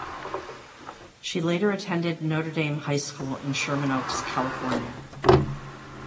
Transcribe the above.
She later attended Notre Dame High School in Sherman Oaks, California.